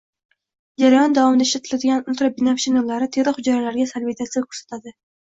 Jarayon davomida ishlatiladigan ultrabinafsha nurlar teri hujayralariga salbiy ta’sir ko‘rsatadi